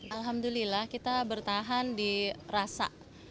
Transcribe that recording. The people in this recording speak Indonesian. alhamdulillah kita bertahan di rasa